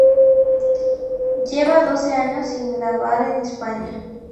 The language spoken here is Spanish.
Llevaba doce años sin grabar en España.